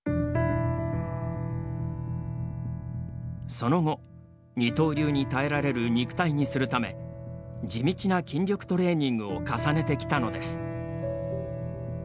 その後二刀流に耐えられる肉体にするため地道な筋力トレーニングを重ねてきたのです。